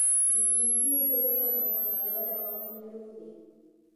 دې سپین ږیري ټول عمر مسواک کارولی او غاښونه یې روغ دي.